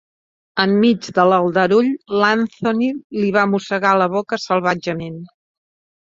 Enmig de l'aldarull l'Anthony li va mossegar la boca salvatgement.